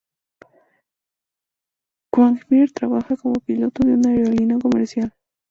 Quagmire trabaja como piloto de una aerolínea comercial.